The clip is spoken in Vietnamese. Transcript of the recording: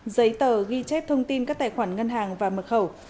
giấy tờ ghi chép thông tin các tài khoản ngân hàng và mật khẩu